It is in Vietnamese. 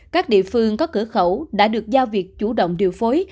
các địa phương có cửa khẩu đã được giao việc chủ động điều phối